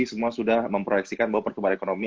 semua sudah memproyeksikan bahwa pertumbuhan ekonomi